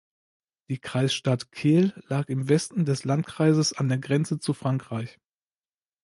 Die Kreisstadt Kehl lag im Westen des Landkreises an der Grenze zu Frankreich.